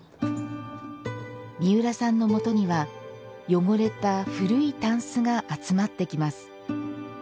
三浦さんのもとには汚れた古いたんすが集まってきます。